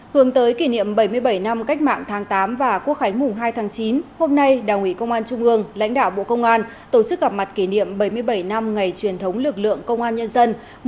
hướng tới kỷ niệm bảy mươi bảy năm cách mạng tháng tám và quốc khánh mùng hai tháng chín hôm nay đảng ủy công an trung ương lãnh đạo bộ công an tổ chức gặp mặt kỷ niệm bảy mươi bảy năm ngày truyền thống lực lượng công an nhân dân